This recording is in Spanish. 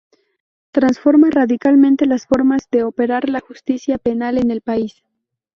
Transforma radicalmente las formas de operar la justicia penal en el país.